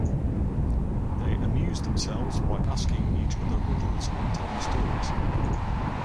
They amuse themselves by asking each other riddles and telling stories.